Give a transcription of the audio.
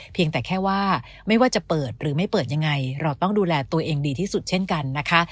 เพียงแต่แค่ว่าไม่ว่าจะเปิดหรือไม่เปิดยังไงเราต้องดูแลตัวเองดีที่สุดเช่นกันนะคะ